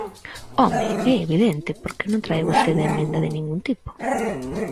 ¡Home!, é evidente, porque non trae vostede emenda de ningún tipo.